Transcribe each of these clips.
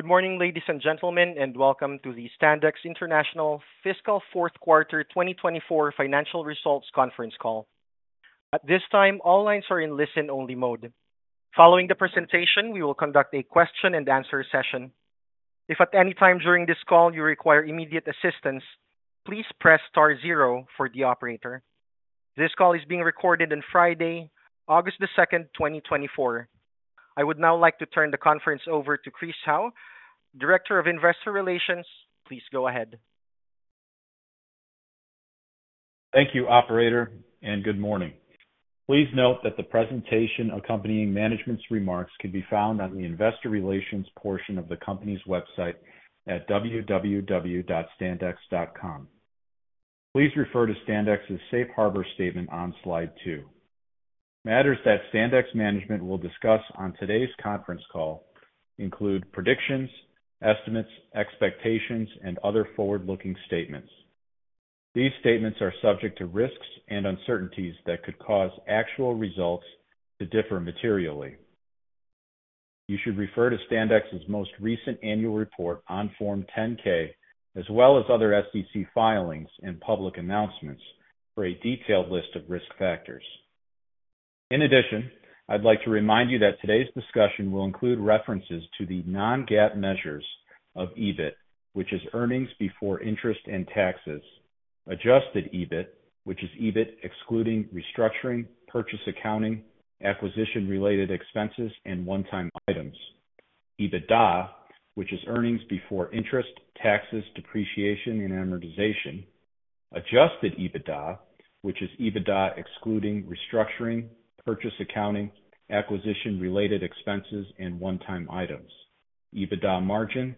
Good morning, ladies and gentlemen, and welcome to the Standex International Fiscal Fourth Quarter 2024 Financial Results Conference Call. At this time, all lines are in listen-only mode. Following the presentation, we will conduct a question-and-answer session. If at any time during this call you require immediate assistance, please press star zero for the operator. This call is being recorded on Friday, August 2, 2024. I would now like to turn the conference over to Chris Howe, Director of Investor Relations. Please go ahead. Thank you, Operator, and good morning. Please note that the presentation accompanying management's remarks can be found on the Investor Relations portion of the company's website at www.standex.com. Please refer to Standex's safe harbor statement on slide 2. Matters that Standex management will discuss on today's conference call include predictions, estimates, expectations, and other forward-looking statements. These statements are subject to risks and uncertainties that could cause actual results to differ materially. You should refer to Standex's most recent annual report on Form 10-K, as well as other SEC filings and public announcements, for a detailed list of risk factors. In addition, I'd like to remind you that today's discussion will include references to the non-GAAP measures of EBIT, which is earnings before interest and taxes, adjusted EBIT, which is EBIT excluding restructuring, purchase accounting, acquisition-related expenses, and one-time items, EBITDA, which is earnings before interest, taxes, depreciation, and amortization, adjusted EBITDA, which is EBITDA excluding restructuring, purchase accounting, acquisition-related expenses, and one-time items, EBITDA margin,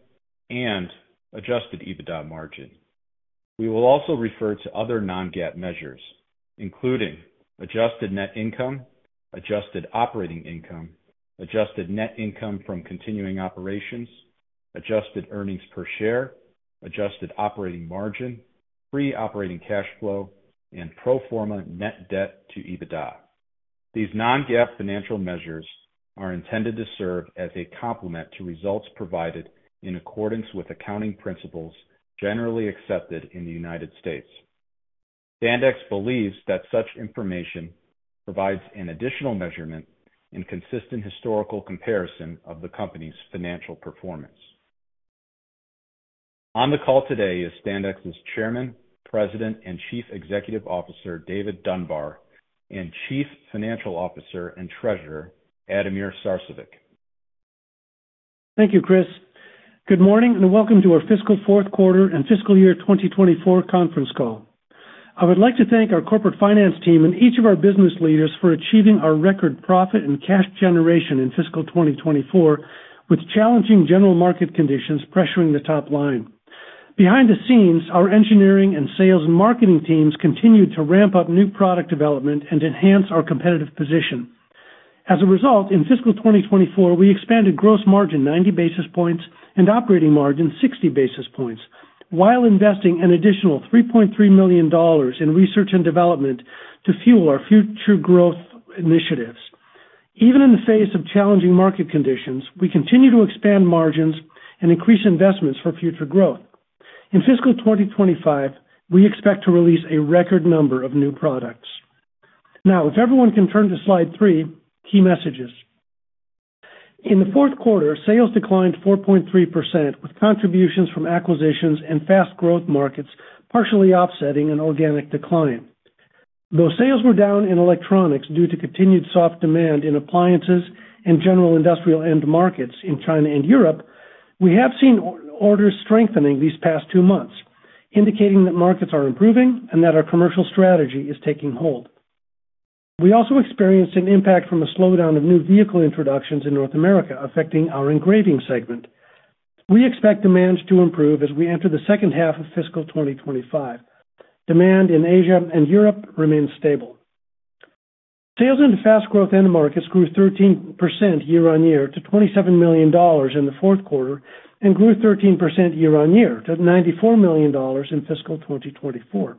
and adjusted EBITDA margin. We will also refer to other non-GAAP measures, including adjusted net income, adjusted operating income, adjusted net income from continuing operations, adjusted earnings per share, adjusted operating margin, free operating cash flow, and pro forma net debt to EBITDA. These non-GAAP financial measures are intended to serve as a complement to results provided in accordance with accounting principles generally accepted in the United States. Standex believes that such information provides an additional measurement and consistent historical comparison of the company's financial performance. On the call today is Standex's Chairman, President, and Chief Executive Officer David Dunbar, and Chief Financial Officer and Treasurer Ademir Sarcevic. Thank you, Chris. Good morning and welcome to our Fiscal Fourth Quarter and Fiscal Year 2024 Conference Call. I would like to thank our corporate finance team and each of our business leaders for achieving our record profit and cash generation in Fiscal 2024, with challenging general market conditions pressuring the top line. Behind the scenes, our engineering and sales and marketing teams continued to ramp up new product development and enhance our competitive position. As a result, in Fiscal 2024, we expanded gross margin 90 basis points and operating margin 60 basis points, while investing an additional $3.3 million in research and development to fuel our future growth initiatives. Even in the face of challenging market conditions, we continue to expand margins and increase investments for future growth. In Fiscal 2025, we expect to release a record number of new products. Now, if everyone can turn to slide 3, key messages. In the fourth quarter, sales declined 4.3%, with contributions from acquisitions and Fast growth markets partially offsetting an organic decline. Though sales were down in Electronics due to continued soft demand in appliances and general industrial end markets in China and Europe, we have seen orders strengthening these past 2 months, indicating that markets are improving and that our commercial strategy is taking hold. We also experienced an impact from a slowdown of new vehicle introductions in North America, affecting our Engraving segment. We expect demand to improve as we enter the second half of Fiscal 2025. Demand in Asia and Europe remains stable. Sales into Fast growth end markets grew 13% year-on-year to $27 million in the fourth quarter and grew 13% year-on-year to $94 million in Fiscal 2024.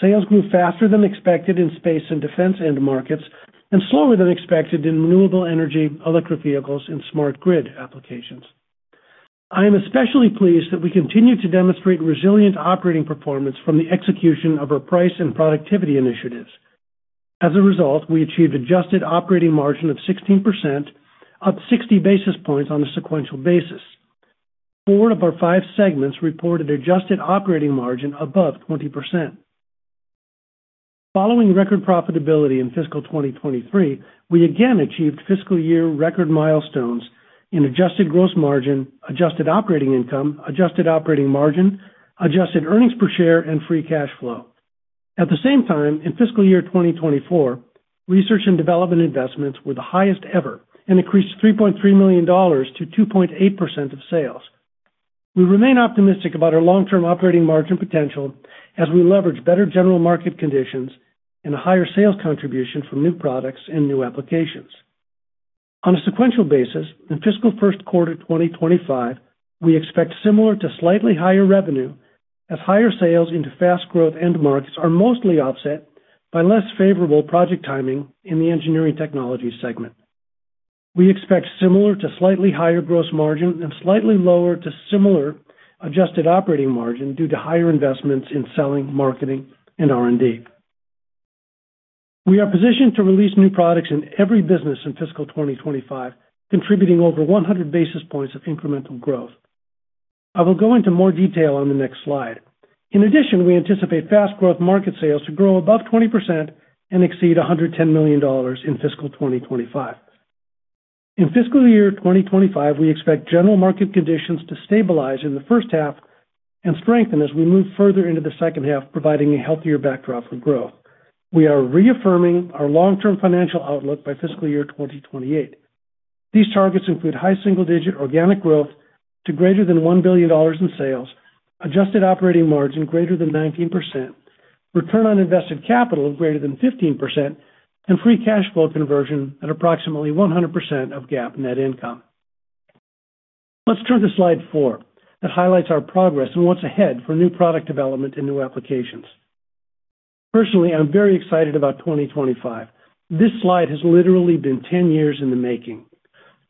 Sales grew faster than expected in space and defense end markets and slower than expected in renewable energy, electric vehicles, and smart grid applications. I am especially pleased that we continue to demonstrate resilient operating performance from the execution of our price and productivity initiatives. As a result, we achieved adjusted operating margin of 16%, up 60 basis points on a sequential basis. Four of our five segments reported adjusted operating margin above 20%. Following record profitability in Fiscal 2023, we again achieved fiscal year record milestones in adjusted gross margin, adjusted operating income, adjusted operating margin, adjusted earnings per share, and free cash flow. At the same time, in Fiscal Year 2024, research and development investments were the highest ever and increased $3.3 million to 2.8% of sales. We remain optimistic about our long-term operating margin potential as we leverage better general market conditions and a higher sales contribution from new products and new applications. On a sequential basis, in Fiscal First Quarter 2025, we expect similar to slightly higher revenue as higher sales into fast growth end markets are mostly offset by less favorable project timing in the engineering technology segment. We expect similar to slightly higher gross margin and slightly lower to similar adjusted operating margin due to higher investments in selling, marketing, and R&D. We are positioned to release new products in every business in Fiscal 2025, contributing over 100 basis points of incremental growth. I will go into more detail on the next slide. In addition, we anticipate fast growth market sales to grow above 20% and exceed $110 million in Fiscal 2025. In Fiscal Year 2025, we expect general market conditions to stabilize in the first half and strengthen as we move further into the second half, providing a healthier backdrop for growth. We are reaffirming our long-term financial outlook by Fiscal Year 2028. These targets include high single-digit organic growth to greater than $1 billion in sales, adjusted operating margin greater than 19%, return on invested capital greater than 15%, and free cash flow conversion at approximately 100% of GAAP net income. Let's turn to slide 4 that highlights our progress and what's ahead for new product development and new applications. Personally, I'm very excited about 2025. This slide has literally been 10 years in the making.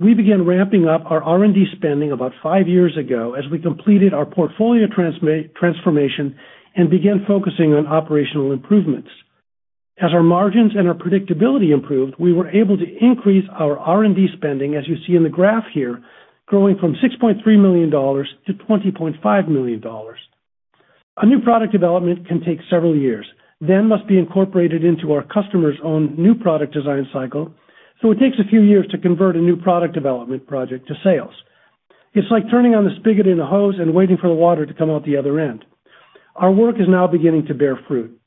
We began ramping up our R&D spending about 5 years ago as we completed our portfolio transformation and began focusing on operational improvements. As our margins and our predictability improved, we were able to increase our R&D spending, as you see in the graph here, growing from $6.3 million to $20.5 million. A new product development can take several years, then must be incorporated into our customers' own new product design cycle, so it takes a few years to convert a new product development project to sales. It's like turning on the spigot in a hose and waiting for the water to come out the other end. Our work is now beginning to bear fruit.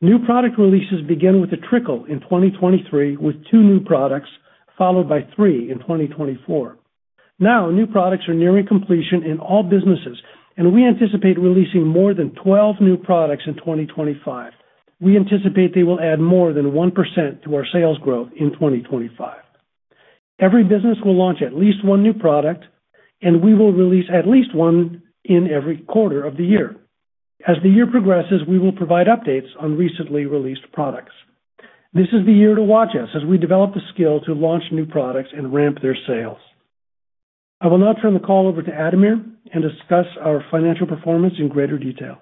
New product releases began with a trickle in 2023 with two new products, followed by three in 2024. Now, new products are nearing completion in all businesses, and we anticipate releasing more than 12 new products in 2025. We anticipate they will add more than 1% to our sales growth in 2025. Every business will launch at least one new product, and we will release at least one in every quarter of the year. As the year progresses, we will provide updates on recently released products. This is the year to watch us as we develop the skill to launch new products and ramp their sales. I will now turn the call over to Ademir and discuss our financial performance in greater detail.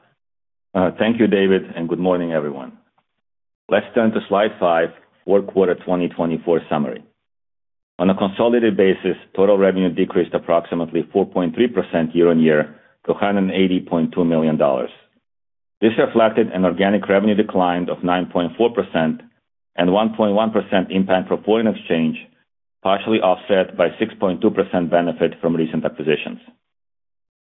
Thank you, David, and good morning, everyone. Let's turn to slide 5, Fourth Quarter 2024 Summary. On a consolidated basis, total revenue decreased approximately 4.3% year-on-year to $180.2 million. This reflected an organic revenue decline of 9.4% and 1.1% impact pro forma exchange, partially offset by 6.2% benefit from recent acquisitions.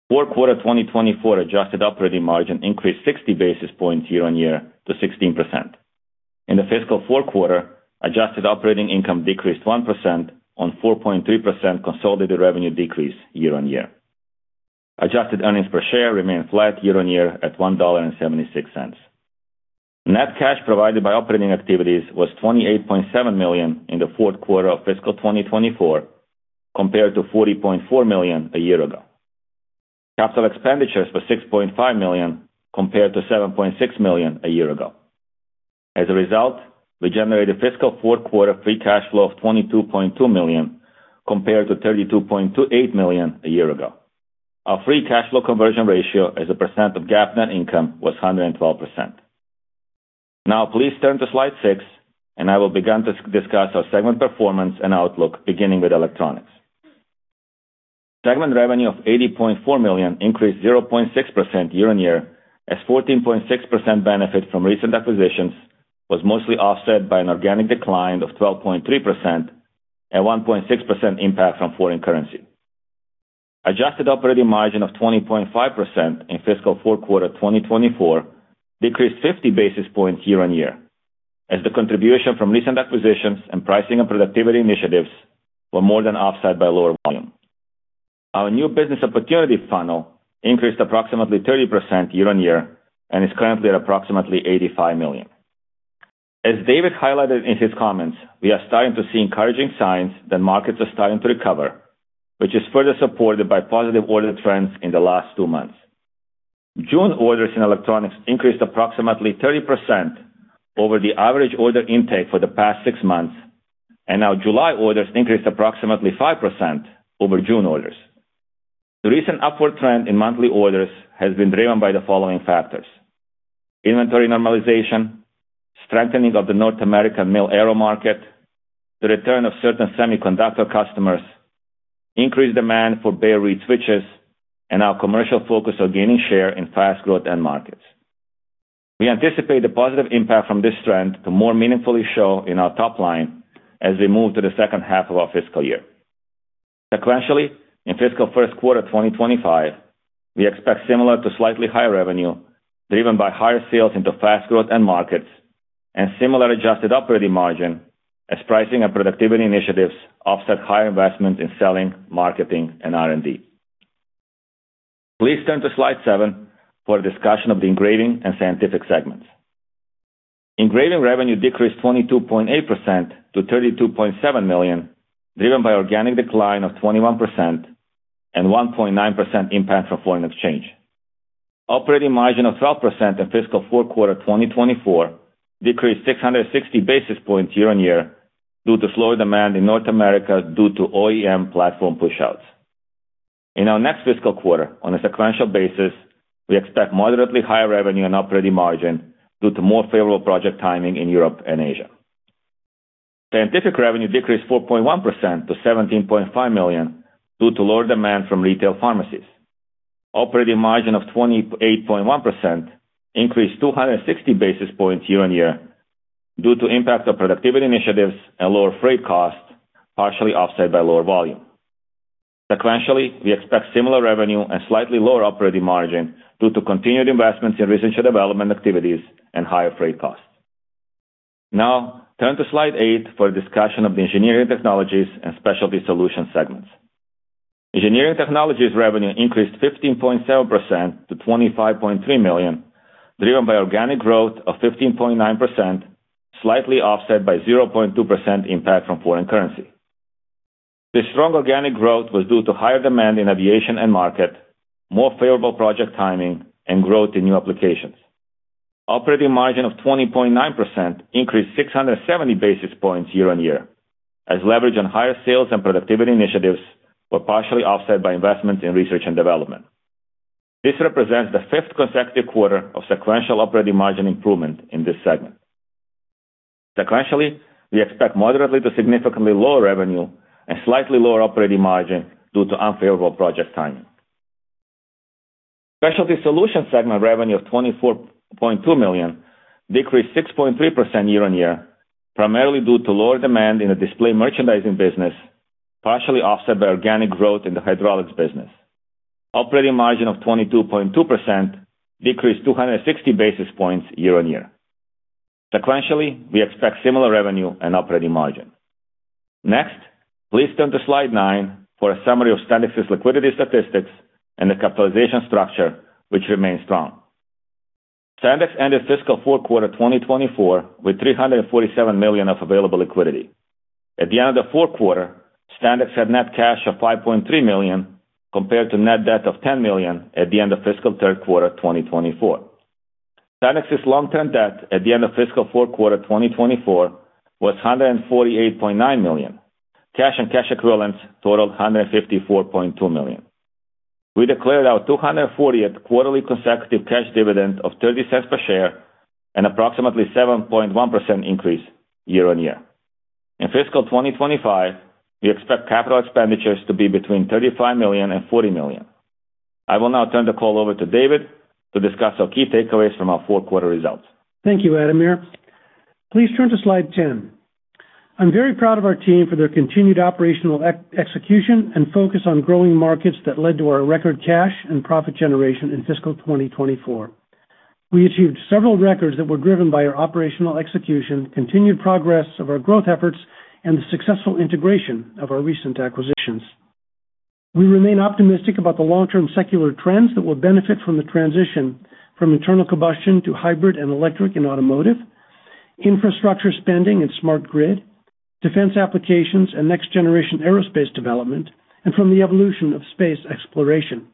Fourth Quarter 2024 adjusted operating margin increased 60 basis points year-on-year to 16%. In the fiscal fourth quarter, adjusted operating income decreased 1% on 4.3% consolidated revenue decrease year-on-year. Adjusted earnings per share remained flat year-on-year at $1.76. Net cash provided by operating activities was $28.7 million in the fourth quarter of fiscal 2024, compared to $40.4 million a year ago. Capital expenditures were $6.5 million compared to $7.6 million a year ago. As a result, we generated fiscal fourth quarter free cash flow of $22.2 million compared to $32.28 million a year ago. Our free cash flow conversion ratio as a percent of GAAP net income was 112%. Now, please turn to slide 6, and I will begin to discuss our segment performance and outlook, beginning with electronics. Segment revenue of $80.4 million increased 0.6% year-on-year as 14.6% benefit from recent acquisitions was mostly offset by an organic decline of 12.3% and 1.6% impact from foreign currency. Adjusted operating margin of 20.5% in fiscal fourth quarter 2024 decreased 50 basis points year-on-year as the contribution from recent acquisitions and pricing and productivity initiatives were more than offset by lower volume. Our new business opportunity funnel increased approximately 30% year-on-year and is currently at approximately $85 million. As David highlighted in his comments, we are starting to see encouraging signs that markets are starting to recover, which is further supported by positive order trends in the last two months. June orders in electronics increased approximately 30% over the average order intake for the past six months, and now July orders increased approximately 5% over June orders. The recent upward trend in monthly orders has been driven by the following factors: inventory normalization, strengthening of the North American Mil-Aero market, the return of certain semiconductor customers, increased demand for bare reed switches, and our commercial focus on gaining share in fast growth end markets. We anticipate the positive impact from this trend to more meaningfully show in our top line as we move to the second half of our fiscal year. Sequentially, in fiscal first quarter 2025, we expect similar to slightly higher revenue driven by higher sales into fast growth end markets and similar adjusted operating margin as pricing and productivity initiatives offset higher investment in selling, marketing, and R&D. Please turn to slide 7 for a discussion of the engraving and scientific segments. Engraving revenue decreased 22.8% to $32.7 million, driven by organic decline of 21% and 1.9% impact from foreign exchange. Operating margin of 12% in fiscal fourth quarter 2024 decreased 660 basis points year-on-year due to slower demand in North America due to OEM platform push-outs. In our next fiscal quarter, on a sequential basis, we expect moderately higher revenue and operating margin due to more favorable project timing in Europe and Asia. Scientific revenue decreased 4.1% to $17.5 million due to lower demand from retail pharmacies. Operating margin of 28.1% increased 260 basis points year-on-year due to impact of productivity initiatives and lower freight costs, partially offset by lower volume. Sequentially, we expect similar revenue and slightly lower operating margin due to continued investments in research and development activities and higher freight costs. Now, turn to slide 8 for a discussion of the Engineering Technologies and Specialty Solutions segments. Engineering Technologies revenue increased 15.7% to $25.3 million, driven by organic growth of 15.9%, slightly offset by 0.2% impact from foreign currency. This strong organic growth was due to higher demand in aviation end market, more favorable project timing, and growth in new applications. Operating margin of 20.9% increased 670 basis points year-on-year as leverage on higher sales and productivity initiatives were partially offset by investment in research and development. This represents the fifth consecutive quarter of sequential operating margin improvement in this segment. Sequentially, we expect moderately to significantly lower revenue and slightly lower operating margin due to unfavorable project timing. Specialty Solutions segment revenue of $24.2 million decreased 6.3% year-on-year, primarily due to lower demand in the Display Merchandising business, partially offset by organic growth in the Hydraulics business. Operating margin of 22.2% decreased 260 basis points year-on-year. Sequentially, we expect similar revenue and operating margin. Next, please turn to slide 9 for a summary of Standex's liquidity statistics and the capitalization structure, which remains strong. Standex ended fiscal fourth quarter 2024 with $347 million of available liquidity. At the end of the fourth quarter, Standex had net cash of $5.3 million compared to net debt of $10 million at the end of fiscal third quarter 2024. Standex's long-term debt at the end of fiscal fourth quarter 2024 was $148.9 million. Cash and cash equivalents totaled $154.2 million. We declared our 240th quarterly consecutive cash dividend of $0.30 per share and approximately 7.1% increase year-on-year. In fiscal 2025, we expect capital expenditures to be between $35 million and $40 million. I will now turn the call over to David to discuss our key takeaways from our fourth quarter results. Thank you, Ademir. Please turn to slide 10. I'm very proud of our team for their continued operational execution and focus on growing markets that led to our record cash and profit generation in fiscal 2024. We achieved several records that were driven by our operational execution, continued progress of our growth efforts, and the successful integration of our recent acquisitions. We remain optimistic about the long-term secular trends that will benefit from the transition from internal combustion to hybrid and electric in automotive, infrastructure spending and smart grid, defense applications and next-generation aerospace development, and from the evolution of space exploration.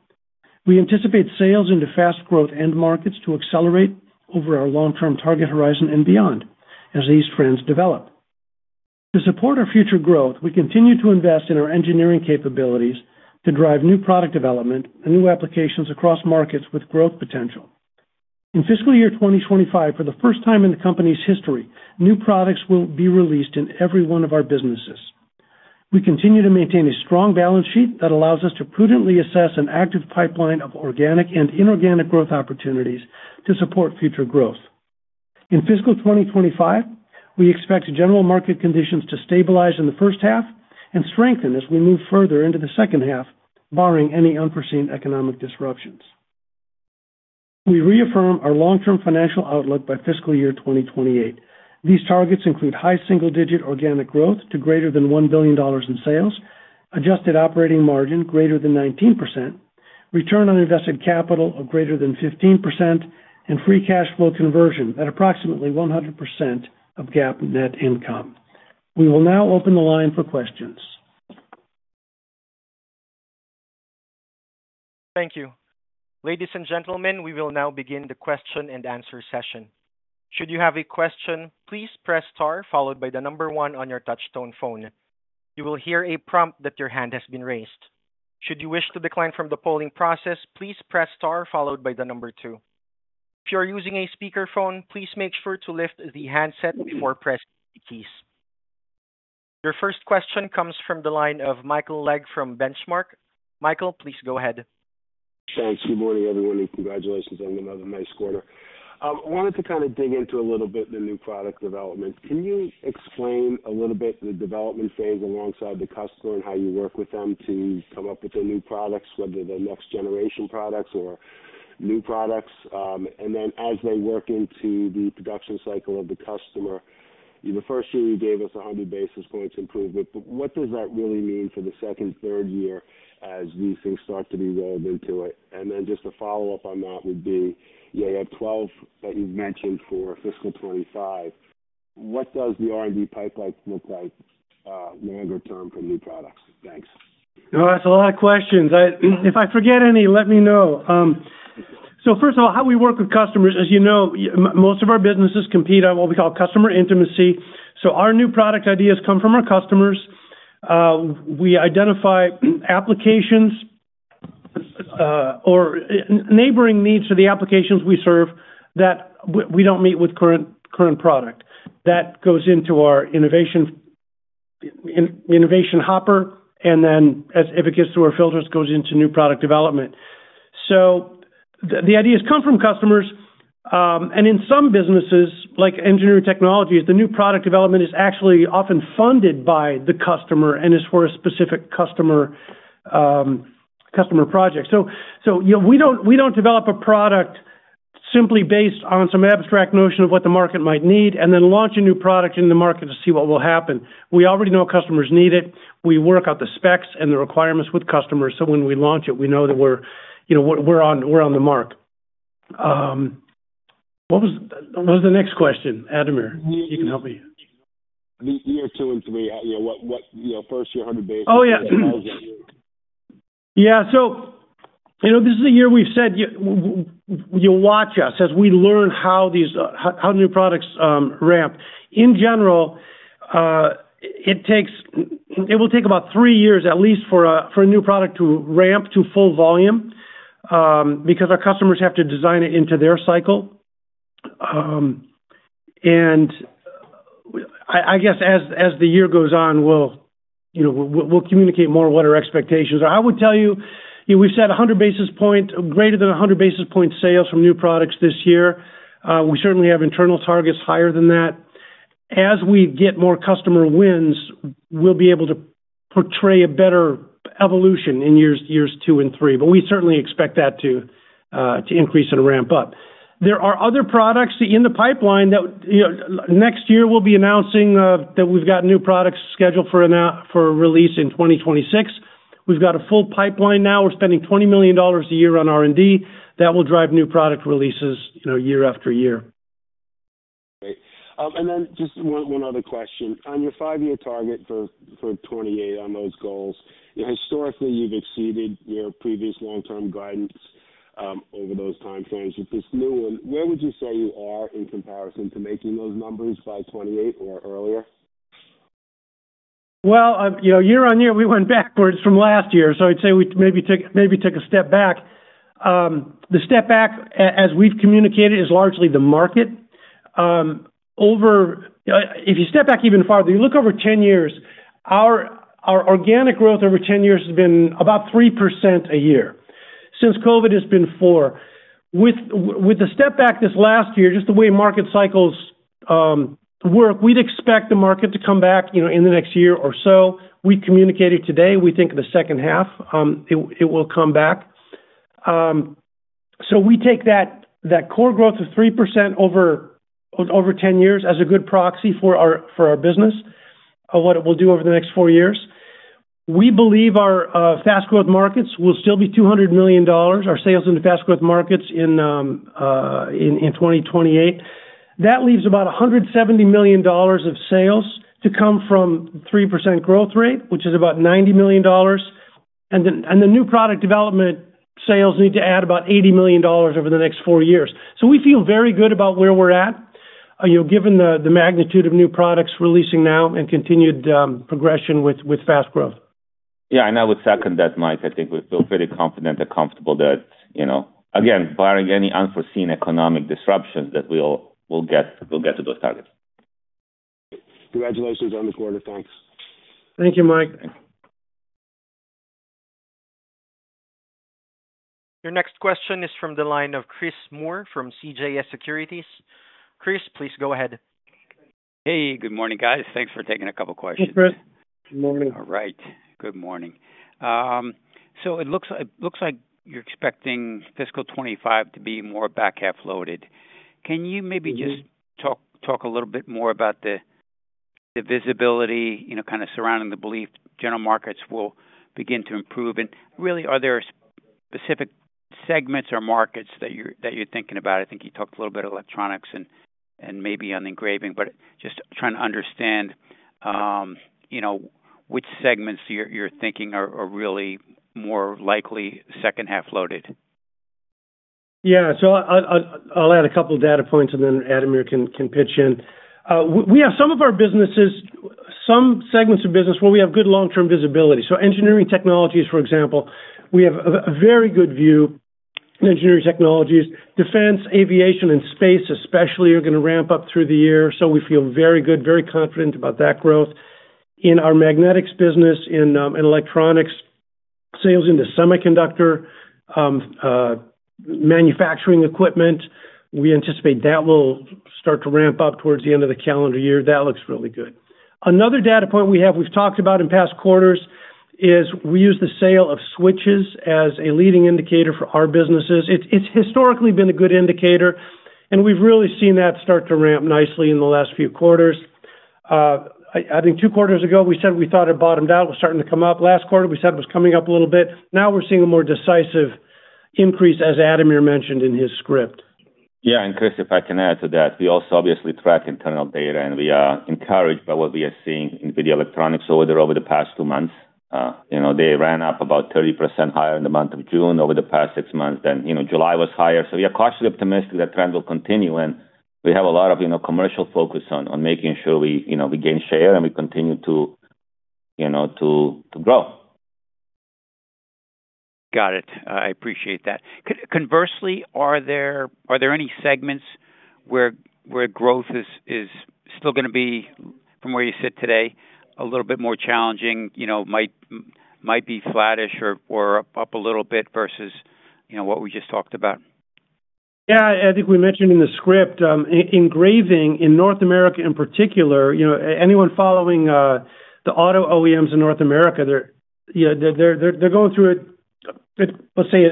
We anticipate sales into fast growth end markets to accelerate over our long-term target horizon and beyond as these trends develop. To support our future growth, we continue to invest in our engineering capabilities to drive new product development and new applications across markets with growth potential. In fiscal year 2025, for the first time in the company's history, new products will be released in every one of our businesses. We continue to maintain a strong balance sheet that allows us to prudently assess an active pipeline of organic and inorganic growth opportunities to support future growth. In fiscal 2025, we expect general market conditions to stabilize in the first half and strengthen as we move further into the second half, barring any unforeseen economic disruptions. We reaffirm our long-term financial outlook by fiscal year 2028. These targets include high single-digit organic growth to greater than $1 billion in sales, adjusted operating margin greater than 19%, return on invested capital of greater than 15%, and free cash flow conversion at approximately 100% of GAAP net income. We will now open the line for questions. Thank you. Ladies and gentlemen, we will now begin the question and answer session. Should you have a question, please press star followed by the number 1 on your touch-tone phone. You will hear a prompt that your hand has been raised. Should you wish to decline from the polling process, please press star followed by the number 2. If you are using a speakerphone, please make sure to lift the handset before pressing the keys. Your first question comes from the line of Michael Legg from Benchmark. Michael, please go ahead. Thanks. Good morning, everyone, and congratulations on another nice quarter. I wanted to kind of dig into a little bit of the new product development. Can you explain a little bit the development phase alongside the customer and how you work with them to come up with the new products, whether they're next-generation products or new products? Then as they work into the production cycle of the customer, the first year you gave us 100 basis points improvement, but what does that really mean for the second, third year as these things start to be rolled into it? Just a follow-up on that would be, yeah, you have 12 that you've mentioned for fiscal 2025. What does the R&D pipeline look like longer term for new products? Thanks. Oh, that's a lot of questions. If I forget any, let me know. So first of all, how we work with customers, as you know, most of our businesses compete on what we call customer intimacy. So our new product ideas come from our customers. We identify applications or neighboring needs to the applications we serve that we don't meet with current product. That goes into our innovation hopper, and then as it gets through our filters, goes into new product development. So the ideas come from customers, and in some businesses like engineering technologies, the new product development is actually often funded by the customer and is for a specific customer project. So we don't develop a product simply based on some abstract notion of what the market might need and then launch a new product in the market to see what will happen. We already know customers need it. We work out the specs and the requirements with customers. So when we launch it, we know that we're on the mark. What was the next question, Ademir? You can help me. The year 2 and 3, what first year 100 basis points? Oh, yeah. Yeah. So this is a year we've said you'll watch us as we learn how new products ramp. In general, it will take about three years at least for a new product to ramp to full volume because our customers have to design it into their cycle. And I guess as the year goes on, we'll communicate more what our expectations are. I would tell you we've set 100 basis points, greater than 100 basis points sales from new products this year. We certainly have internal targets higher than that. As we get more customer wins, we'll be able to portray a better evolution in years two and three, but we certainly expect that to increase and ramp up. There are other products in the pipeline that next year we'll be announcing that we've got new products scheduled for release in 2026. We've got a full pipeline now. We're spending $20 million a year on R&D. That will drive new product releases year after year. Great. And then just one other question. On your five-year target for 2028 on those goals, historically, you've exceeded your previous long-term guidance over those timeframes. With this new one, where would you say you are in comparison to making those numbers by 2028 or earlier? Well, year on year, we went backwards from last year, so I'd say we maybe took a step back. The step back, as we've communicated, is largely the market. If you step back even farther, you look over 10 years, our organic growth over 10 years has been about 3% a year. Since COVID, it's been 4%. With the step back this last year, just the way market cycles work, we'd expect the market to come back in the next year or so. We communicated today, we think in the second half, it will come back. So we take that core growth of 3% over 10 years as a good proxy for our business, what it will do over the next four years. We believe our fast-growth markets will still be $200 million, our sales in the fast-growth markets in 2028. That leaves about $170 million of sales to come from the 3% growth rate, which is about $90 million. And the new product development sales need to add about $80 million over the next four years. So we feel very good about where we're at, given the magnitude of new products releasing now and continued progression with fast growth. Yeah. I would second that, Mike. I think we feel pretty confident and comfortable that, again, barring any unforeseen economic disruptions, that we'll get to those targets. Congratulations on the quarter. Thanks. Thank you, Mike. Thanks. Your next question is from the line of Chris Moore from CJS Securities. Chris, please go ahead. Hey, good morning, guys. Thanks for taking a couple of questions. Hey, Chris. Good morning. All right. Good morning. So it looks like you're expecting fiscal 2025 to be more back-half loaded. Can you maybe just talk a little bit more about the visibility kind of surrounding the belief general markets will begin to improve? And really, are there specific segments or markets that you're thinking about? I think you talked a little bit of electronics and maybe on engraving, but just trying to understand which segments you're thinking are really more likely second-half loaded. Yeah. So I'll add a couple of data points, and then Ademir can pitch in. We have some of our businesses, some segments of business where we have good long-term visibility. So Engineering Technologies, for example, we have a very good view in Engineering Technologies. Defense, aviation, and space especially are going to ramp up through the year. So we feel very good, very confident about that growth. In our magnetics business, in Electronics, sales into semiconductor manufacturing equipment, we anticipate that will start to ramp up towards the end of the calendar year. That looks really good. Another data point we have, we've talked about in past quarters, is we use the sale of switches as a leading indicator for our businesses. It's historically been a good indicator, and we've really seen that start to ramp nicely in the last few quarters. I think two quarters ago, we said we thought it bottomed out. It was starting to come up. Last quarter, we said it was coming up a little bit. Now we're seeing a more decisive increase, as Ademir mentioned in his script. Yeah. Chris, if I can add to that, we also obviously track internal data, and we are encouraged by what we are seeing in daily electronics orders over the past 2 months. They ran up about 30% higher in the month of June over the past 6 months. July was higher. We are cautiously optimistic that trend will continue, and we have a lot of commercial focus on making sure we gain share and we continue to grow. Got it. I appreciate that. Conversely, are there any segments where growth is still going to be, from where you sit today, a little bit more challenging, might be flattish or up a little bit versus what we just talked about? Yeah. I think we mentioned in the script, Engraving in North America in particular, anyone following the auto OEMs in North America, they're going through, let's say,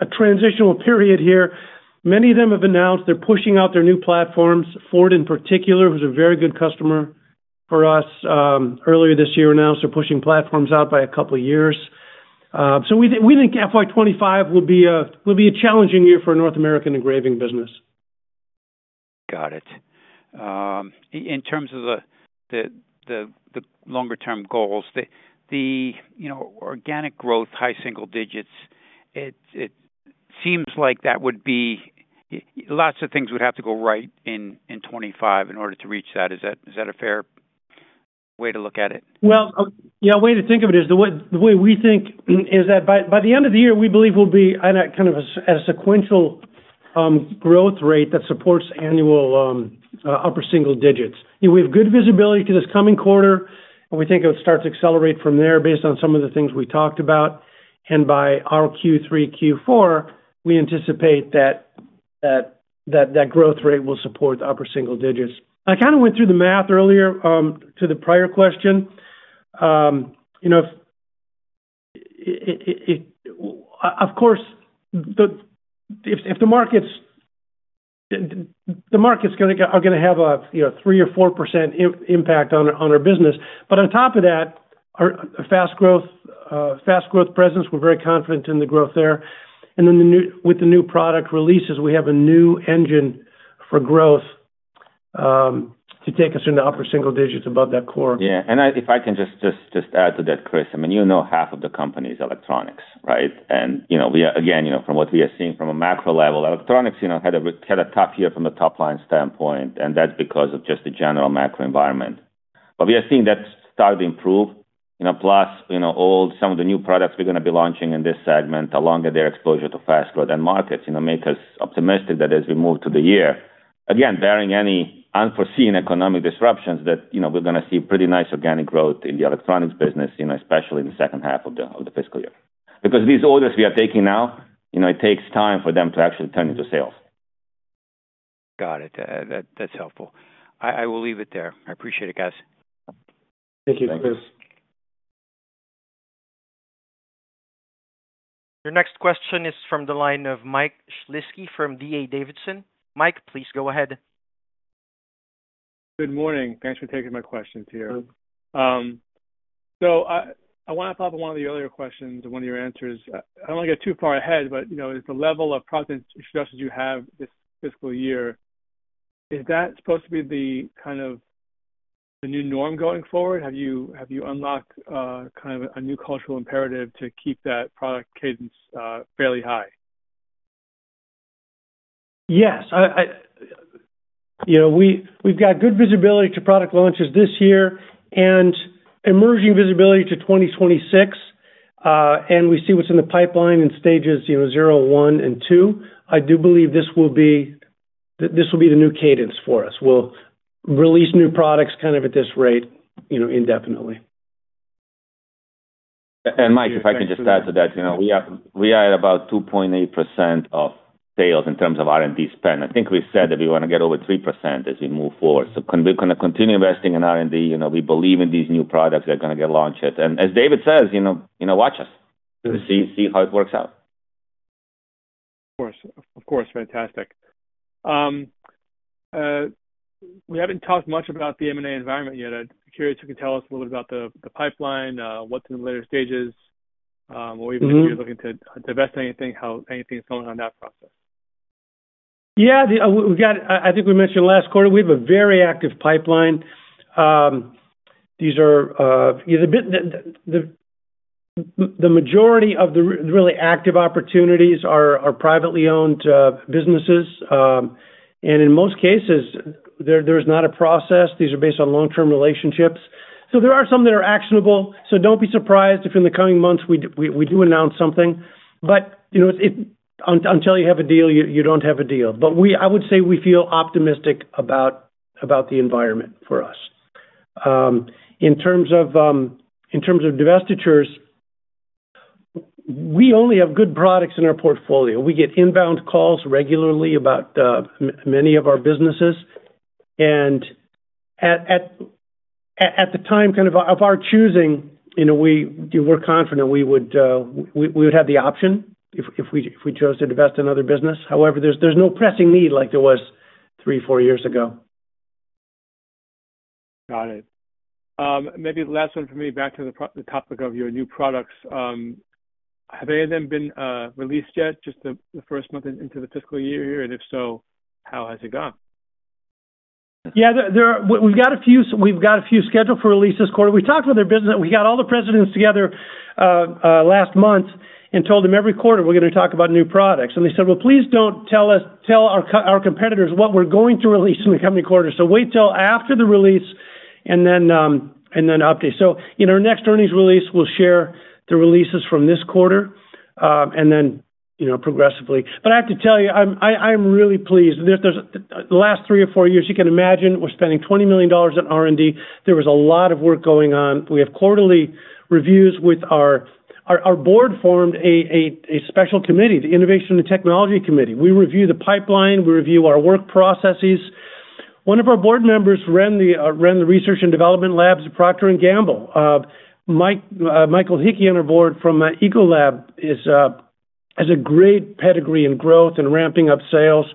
a transitional period here. Many of them have announced they're pushing out their new platforms. Ford, in particular, who's a very good customer for us earlier this year, announced they're pushing platforms out by a couple of years. So we think FY 2025 will be a challenging year for North American Engraving business. Got it. In terms of the longer-term goals, the organic growth, high single digits, it seems like that would be lots of things would have to go right in 2025 in order to reach that. Is that a fair way to look at it? Well, yeah, the way to think of it is the way we think is that by the end of the year, we believe we'll be kind of at a sequential growth rate that supports annual upper single digits. We have good visibility to this coming quarter, and we think it would start to accelerate from there based on some of the things we talked about. And by our Q3, Q4, we anticipate that that growth rate will support upper single digits. I kind of went through the math earlier to the prior question. Of course, if the markets are going to have a 3% or 4% impact on our business, but on top of that, fast growth presence, we're very confident in the growth there. And then with the new product releases, we have a new engine for growth to take us into upper single digits above that core. Yeah. And if I can just add to that, Chris, I mean, you know half of the company is electronics, right? And again, from what we are seeing from a macro level, electronics had a tough year from the top-line standpoint, and that's because of just the general macro environment. But we are seeing that start to improve. Plus, some of the new products we're going to be launching in this segment, along with their exposure to fast growth markets, make us optimistic that as we move to the year, again, bearing any unforeseen economic disruptions, that we're going to see pretty nice organic growth in the electronics business, especially in the second half of the fiscal year. Because these orders we are taking now, it takes time for them to actually turn into sales. Got it. That's helpful. I will leave it there. I appreciate it, guys. Thank you, Chris. Your next question is from the line of Mike Shlisky from D.A. Davidson. Mike, please go ahead. Good morning. Thanks for taking my questions here. I want to follow up on one of the earlier questions and one of your answers. I don't want to get too far ahead, but the level of product introductions you have this fiscal year, is that supposed to be kind of the new norm going forward? Have you unlocked kind of a new cultural imperative to keep that product cadence fairly high? Yes. We've got good visibility to product launches this year and emerging visibility to 2026. We see what's in the pipeline in stages 0, 1, and 2. I do believe this will be the new cadence for us. We'll release new products kind of at this rate indefinitely. Mike, if I can just add to that, we are at about 2.8% of sales in terms of R&D spend. I think we said that we want to get over 3% as we move forward. We're going to continue investing in R&D. We believe in these new products that are going to get launched. As David says, watch us. See how it works out. Of course. Of course. Fantastic. We haven't talked much about the M&A environment yet. I'd be curious if you could tell us a little bit about the pipeline, what's in the later stages, or even if you're looking to divest anything, how anything's going on in that process? Yeah. I think we mentioned last quarter, we have a very active pipeline. The majority of the really active opportunities are privately owned businesses. In most cases, there's not a process. These are based on long-term relationships. So there are some that are actionable. So don't be surprised if in the coming months we do announce something. But until you have a deal, you don't have a deal. But I would say we feel optimistic about the environment for us. In terms of divestitures, we only have good products in our portfolio. We get inbound calls regularly about many of our businesses. And at the time kind of of our choosing, we were confident we would have the option if we chose to divest another business. However, there's no pressing need like there was 3, 4 years ago. Got it. Maybe the last one for me, back to the topic of your new products. Have any of them been released yet, just the first month into the fiscal year? And if so, how has it gone? Yeah. We've got a few scheduled for release this quarter. We talked with their business. We got all the presidents together last month and told them every quarter, we're going to talk about new products. And they said, "Well, please don't tell our competitors what we're going to release in the coming quarter." So wait till after the release and then update. So in our next earnings release, we'll share the releases from this quarter and then progressively. But I have to tell you, I'm really pleased. The last three or four years, you can imagine, we're spending $20 million on R&D. There was a lot of work going on. We have quarterly reviews with our board formed a special committee, the Innovation and Technology Committee. We review the pipeline. We review our work processes. One of our board members ran the research and development labs at Procter and Gamble. Michael Hickey, on our board from Ecolab, has a great pedigree in growth and ramping up sales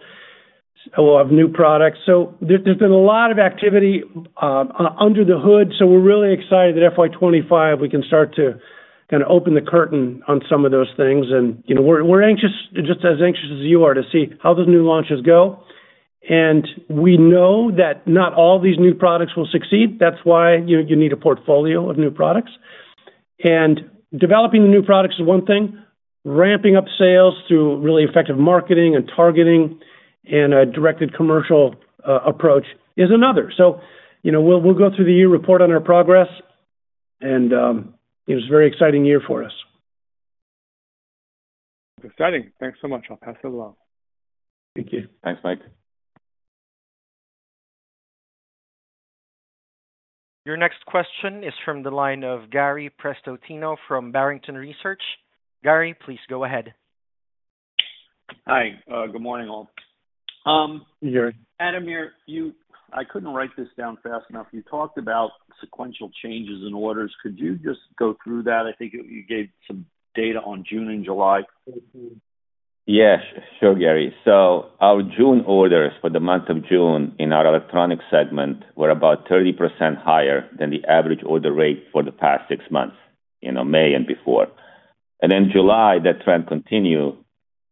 of new products. There's been a lot of activity under the hood. We're really excited that FY 2025, we can start to kind of open the curtain on some of those things. We're anxious, just as anxious as you are, to see how those new launches go. We know that not all these new products will succeed. That's why you need a portfolio of new products. Developing the new products is one thing. Ramping up sales through really effective marketing and targeting and a directed commercial approach is another. We'll go through the year, report on our progress. It was a very exciting year for us. Exciting. Thanks so much. I'll pass it along. Thank you. Thanks, Mike. Your next question is from the line of Gary Prestopino from Barrington Research. Gary, please go ahead. Hi. Good morning, all. Good morning. Ademir, I couldn't write this down fast enough. You talked about sequential changes in orders. Could you just go through that? I think you gave some data on June and July. Yes. Sure, Gary. So our June orders for the month of June in our Electronics segment were about 30% higher than the average order rate for the past six months, May and before. And in July, that trend continued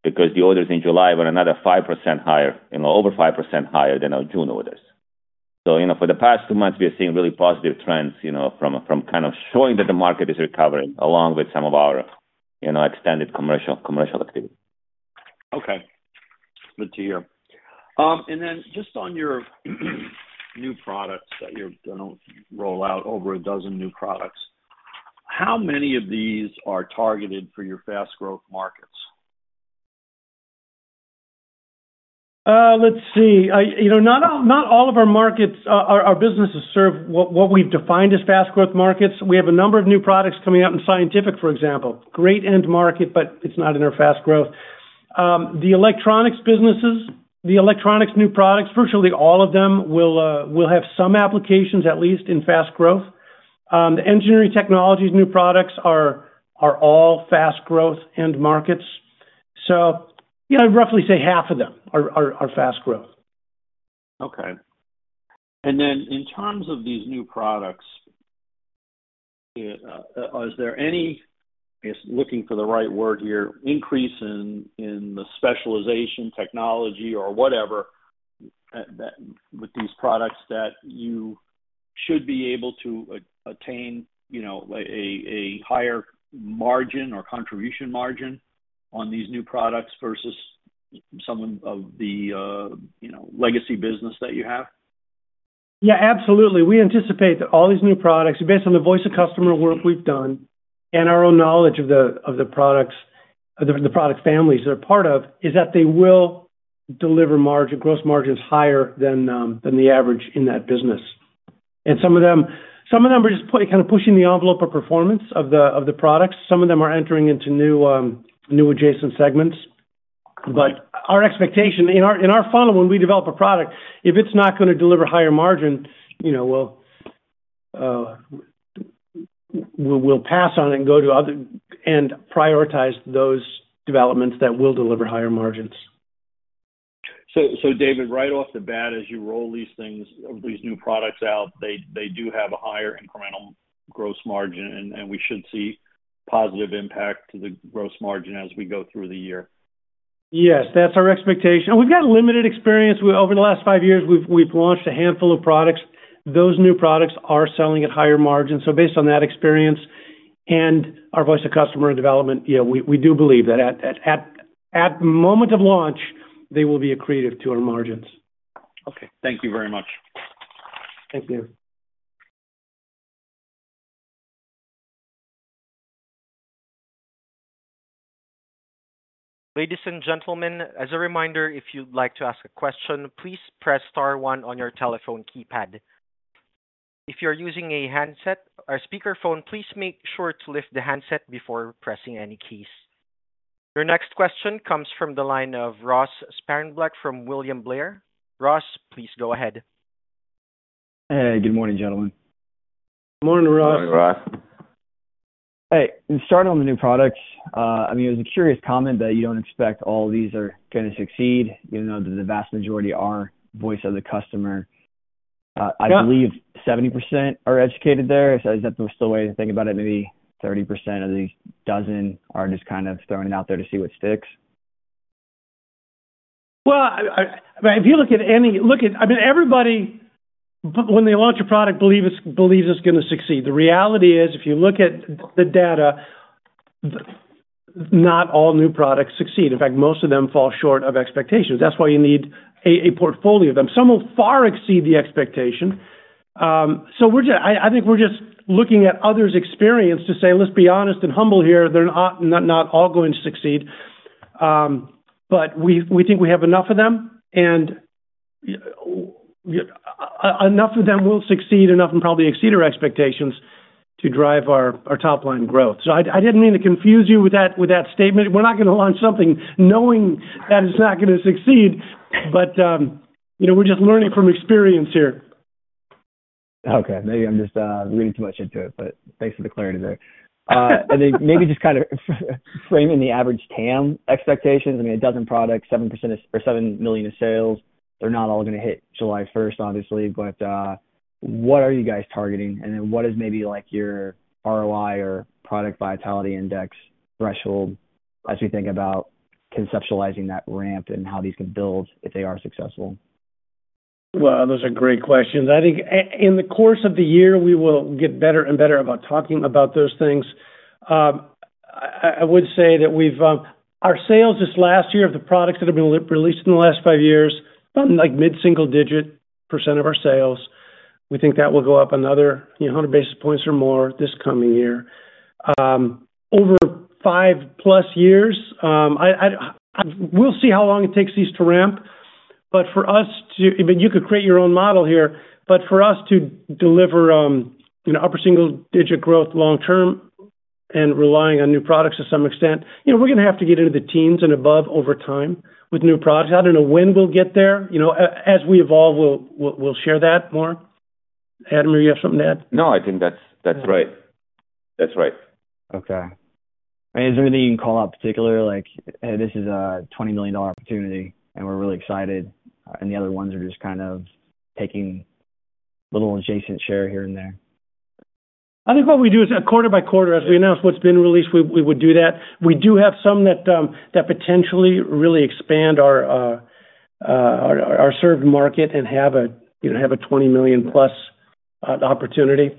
because the orders in July were another 5% higher, over 5% higher than our June orders. So for the past two months, we are seeing really positive trends from kind of showing that the market is recovering along with some of our extended commercial activity. Okay. Good to hear. And then just on your new products that you're going to roll out, over a dozen new products, how many of these are targeted for your fast-growth markets? Let's see. Not all of our businesses serve what we've defined as fast-growth markets. We have a number of new products coming out in Scientific, for example. Great end market, but it's not in our fast growth. The Electronics businesses, the Electronics new products, virtually all of them will have some applications at least in fast growth. The Engineering Technologies new products are all fast-growth end markets. So I'd roughly say half of them are fast growth. Okay. And then in terms of these new products, is there any, I guess, looking for the right word here, increase in the specialization technology or whatever with these products that you should be able to attain a higher margin or contribution margin on these new products versus some of the legacy business that you have? Yeah, absolutely. We anticipate that all these new products, based on the voice of customer work we've done and our own knowledge of the products, the product families they're part of, is that they will deliver gross margins higher than the average in that business. And some of them are just kind of pushing the envelope of performance of the products. Some of them are entering into new adjacent segments. But our expectation in our funnel, when we develop a product, if it's not going to deliver higher margin, we'll pass on it and go to other and prioritize those developments that will deliver higher margins. So David, right off the bat, as you roll these things, these new products out, they do have a higher incremental gross margin, and we should see positive impact to the gross margin as we go through the year. Yes. That's our expectation. We've got limited experience. Over the last five years, we've launched a handful of products. Those new products are selling at higher margins. So based on that experience and our voice of customer development, we do believe that at the moment of launch, they will be accretive to our margins. Okay. Thank you very much. Thank you. Ladies and gentlemen, as a reminder, if you'd like to ask a question, please press star one on your telephone keypad. If you're using a handset or speakerphone, please make sure to lift the handset before pressing any keys. Your next question comes from the line of Ross Sparenblek from William Blair. Ross, please go ahead. Hey, good morning, gentlemen. Good morning, Ross. Morning, Ross. Hey, starting on the new products, I mean, it was a curious comment that you don't expect all of these are going to succeed, even though the vast majority are voice of the customer. I believe 70% are educated there. Is that still the way to think about it? Maybe 30% of these dozen are just kind of throwing it out there to see what sticks? Well, if you look at any, I mean, everybody, when they launch a product, believes it's going to succeed. The reality is, if you look at the data, not all new products succeed. In fact, most of them fall short of expectations. That's why you need a portfolio of them. Some will far exceed the expectation. So I think we're just looking at others' experience to say, "Let's be honest and humble here. They're not all going to succeed." But we think we have enough of them, and enough of them will succeed enough and probably exceed our expectations to drive our top-line growth. So I didn't mean to confuse you with that statement. We're not going to launch something knowing that it's not going to succeed, but we're just learning from experience here. Okay. Maybe I'm just reading too much into it, but thanks for the clarity there. And then maybe just kind of framing the average TAM expectations. I mean, a dozen products, $7 million of sales, they're not all going to hit July 1st, obviously. But what are you guys targeting? And then what is maybe your ROI or product vitality index threshold as we think about conceptualizing that ramp and how these can build if they are successful? Well, those are great questions. I think in the course of the year, we will get better and better about talking about those things. I would say that our sales just last year of the products that have been released in the last 5 years are about mid-single-digit % of our sales. We think that will go up another 100 basis points or more this coming year. Over 5+ years, we'll see how long it takes these to ramp. But for us to, I mean, you could create your own model here, but for us to deliver upper single-digit growth long-term and relying on new products to some extent, we're going to have to get into the teens and above over time with new products. I don't know when we'll get there. As we evolve, we'll share that more. Ademir, you have something to add? No, I think that's right. That's right. Okay. Is there anything you can call out particular? Like, "Hey, this is a $20 million opportunity, and we're really excited." The other ones are just kind of taking a little adjacent share here and there. I think what we do is quarter by quarter, as we announce what's been released, we would do that. We do have some that potentially really expand our served market and have a $20 million-plus opportunity.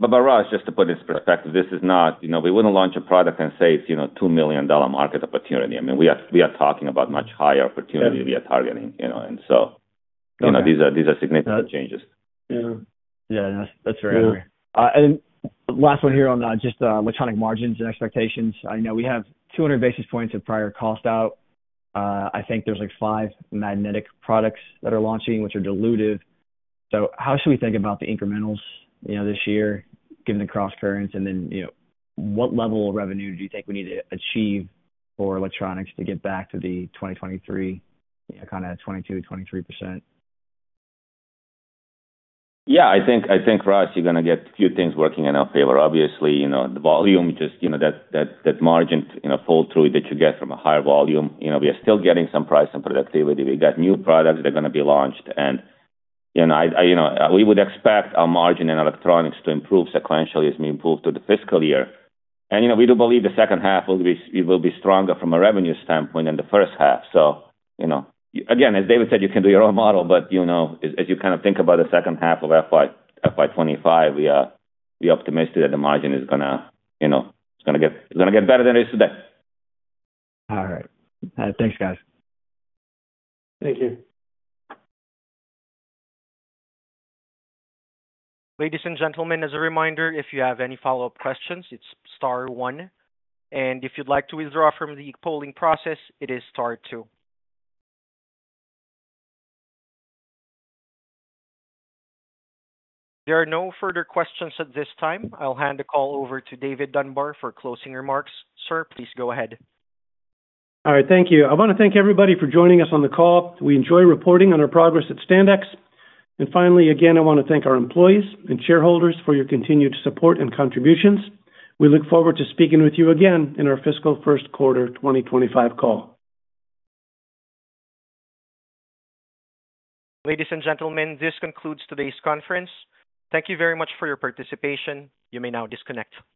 But Ross, just to put it in perspective, this is not—we wouldn't launch a product and say it's a $2 million market opportunity. I mean, we are talking about much higher opportunity we are targeting. And so these are significant changes. Yeah. Yeah. That's very accurate. And last one here on just electronic margins and expectations. I know we have 200 basis points of prior cost out. I think there's like 5 magnetic products that are launching, which are dilutive. So how should we think about the incrementals this year, given the cross-currents? And then what level of revenue do you think we need to achieve for electronics to get back to the 2023 kind of 22%-23%? Yeah. I think, Ross, you're going to get a few things working in our favor. Obviously, the volume, just that margin fall-through that you get from a higher volume. We are still getting some price and productivity. We got new products that are going to be launched. And we would expect our margin in electronics to improve sequentially as we move through the fiscal year. We do believe the second half will be stronger from a revenue standpoint than the first half. Again, as David said, you can do your own model. As you kind of think about the second half of FY25, we are optimistic that the margin is going to get better than it is today. All right. Thanks, guys. Thank you. Ladies and gentlemen, as a reminder, if you have any follow-up questions, it's star one. And if you'd like to withdraw from the polling process, it is star two. There are no further questions at this time. I'll hand the call over to David Dunbar for closing remarks. Sir, please go ahead. All right. Thank you. I want to thank everybody for joining us on the call. We enjoy reporting on our progress at Standex. Finally, again, I want to thank our employees and shareholders for your continued support and contributions. We look forward to speaking with you again in our fiscal first quarter 2025 call. Ladies and gentlemen, this concludes today's conference. Thank you very much for your participation. You may now disconnect.